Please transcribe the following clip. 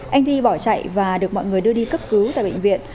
anh thi bỏ chạy và được mọi người đưa đi cấp cứu tại bệnh viện